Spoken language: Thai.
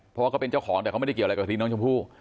เพราะว่าเขาเป็นเจ้าของแต่เขาไม่ได้เกี่ยวอะไรกับสีน้องชมพู่